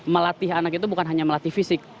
melatih anak itu bukan hanya melatih fisik